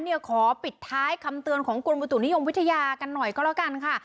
ขอปิดท้ายคำเตือนของกรมบุตุนิยมวิทยากันหน่อยก็แล้วกันค่ะ